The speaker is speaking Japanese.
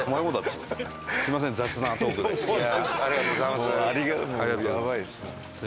ありがとうございます。